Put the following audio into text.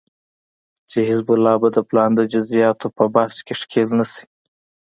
چې حزب الله به د پلان د جزياتو په بحث کې ښکېل نشي